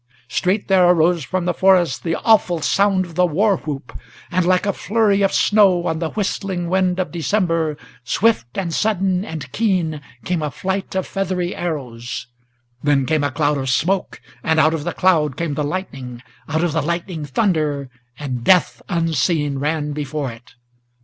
Straight there arose from the forest the awful sound of the war whoop, And, like a flurry of snow on the whistling wind of December, Swift and sudden and keen came a flight of feathery arrows, Then came a cloud of smoke, and out of the cloud came the lightning, Out of the lightning thunder, and death unseen ran before it.